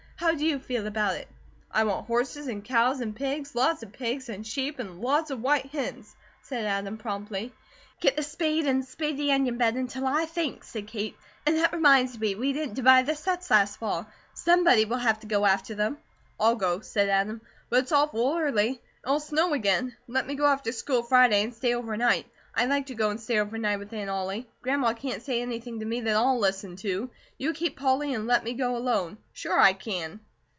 "How do you feel about it?" "I want horses, and cows, and pigs lots of pigs and sheep, and lots of white hens," said Adam, promptly. "Get the spade and spade the onion bed until I think," said Kate. "And that reminds me, we didn't divide the sets last fall. Somebody will have to go after them." "I'll go," said Adam, "but it's awful early. It'll snow again. Let me go after school Friday and stay over night. I'd like to go and stay over night with Aunt Ollie. Grandma can't say anything to me that I'll listen to. You keep Polly, and let me go alone. Sure I can."